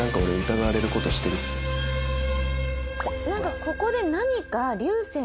なんかここで何か。